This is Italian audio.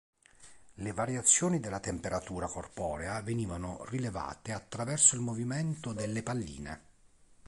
Le variazioni della temperatura corporea venivano rilevate attraverso il movimento delle palline.